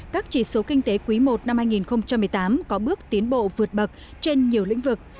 các chỉ số kinh tế quý i năm hai nghìn một mươi tám có bước tiến bộ vượt bậc trên nhiều lĩnh vực